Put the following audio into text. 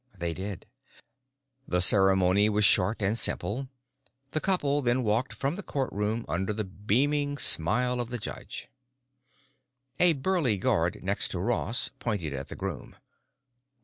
They did. The ceremony was short and simple; the couple then walked from the courtroom under the beaming smile of the judge. A burly guard next to Ross pointed at the groom.